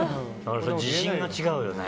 自信が違うよね。